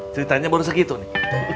ceritanya baru segitu nih